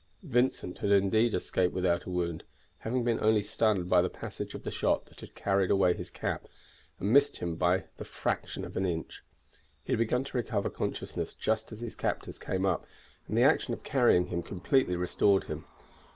Vincent had indeed escaped without a wound, having been only stunned by the passage of the shot that had carried away his cap, and missed him but by the fraction of an inch. He had begun to recover consciousness just as his captors came up, and the action of carrying him completely restored him.